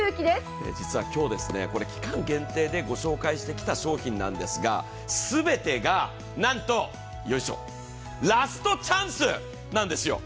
実は今日、期間限定でご紹介してきた商品なんですが、全てが、なんとラストチャンスなんですよ。